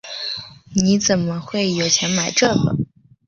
你怎么会有钱买这个？